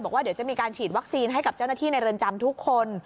บอกว่าเดี๋ยวจะมีการฉีดวัคซีนให้กับเจ้าหน้าที่ในเรือนจำทุกคน